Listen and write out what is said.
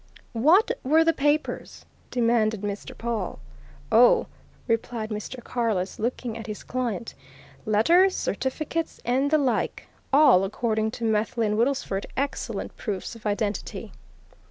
"What were the papers?" demanded Mr. Pawle. "Oh!" replied Mr. Carless, looking at his client. "Letters, certificates, and the like, all, according to Methley and Woodlesford, excellent proofs of identity."